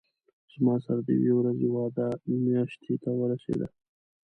زما سره د یوې ورځې وعده میاشتې ته ورسېده.